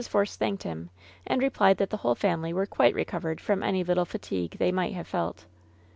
Force thanked him, and replied that the whole family were quite recovered from any little fatigue they might have felt.